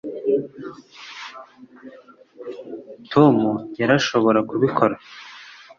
tom yarashobora kubikora